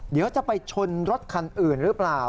เดี๋ยวจะไปชนรถคันอื่นหรือเปล่า